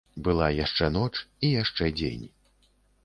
Была яшчэ ноч і яшчэ дзень.